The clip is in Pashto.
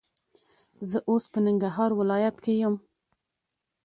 زه اوس په ننګرهار ولایت کې یم.